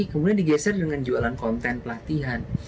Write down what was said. kemudian digeser dengan jualan konten pelatihan